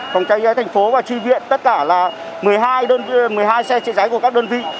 phòng cháy thành phố và tri viện tất cả là một mươi hai xe trựa cháy của các đơn vị